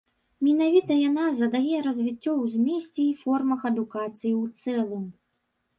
Менавіта яна задае развіццё ў змесце і формах адукацыі ў цэлым.